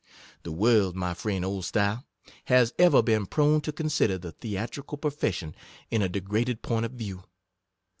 The world, my friend Oldstyle, has ever been prone to consider the theatrical profes sion in a degraded point of view.